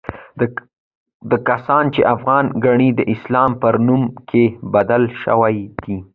دا کسان چې افغان ګڼي، د اسلام پر نوم کې بدل شوي دي.